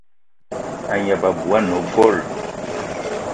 A gneb abui ane gold.